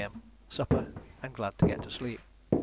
M., supper, and glad to get to sleep.